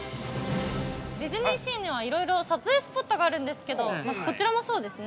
◆ディズニーシーには、いろいろ撮影スポットがあるんですけど、こちらもそうですね。